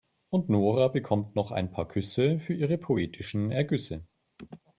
Und Nora bekommt noch ein paar Küsse für ihre poetischen Ergüsse.